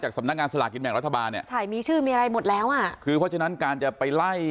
สำนักงานสลากินแบ่งรัฐบาลเนี่ยใช่มีชื่อมีอะไรหมดแล้วอ่ะคือเพราะฉะนั้นการจะไปไล่